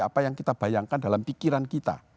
apa yang kita bayangkan dalam pikiran kita